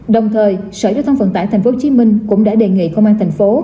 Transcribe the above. đồng thời sở y tế thông phận tải tp hcm cũng đã đề nghị công an thành phố